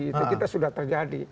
itu kita sudah terjadi